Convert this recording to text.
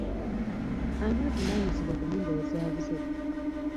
Ani avunaanyizibwa ku mmundu ezaabuze?